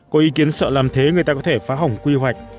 có ý kiến sợ làm thế người ta có thể phá hỏng quy hoạch